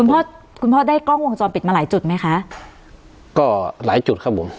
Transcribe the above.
คุณพ่อคุณพ่อได้กล้องวงจรปิดมาหลายจุดไหมคะก็หลายจุดครับผม